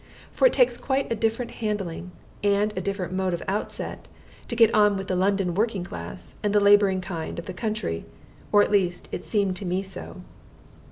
For it takes quite a different handling, and a different mode of outset, to get on with the London working class and the laboring kind of the country; or at least it seemed to me so.